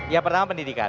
ya pertama pendidikan